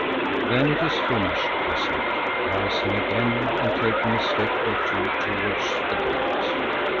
"Then it is finished," I said, rising again and taking a step or two towards the gate.